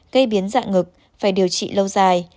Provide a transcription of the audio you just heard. gây biến dạng ngực phải điều trị lâu dài